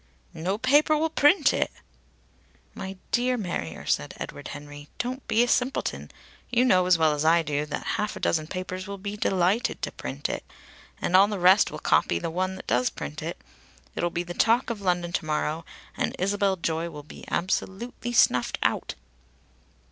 "No paper will print it!" "My dear Marrier," said Edward Henry. "Don't be a simpleton. You know as well as I do that half a dozen papers will be delighted to print it. And all the rest will copy the one that does print it. It'll be the talk of London to morrow, and Isabel Joy will be absolutely snuffed out."